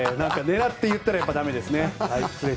狙って言ったらだめですね。